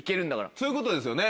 そういうことですよね。